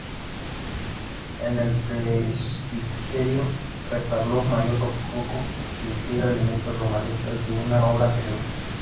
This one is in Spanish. En el presbiterio, retablo mayor rococó, que integra elementos romanistas de una obra anterior.